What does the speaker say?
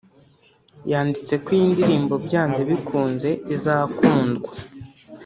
yanditse ko iyi ndirimbo byanze bikunze izakundwa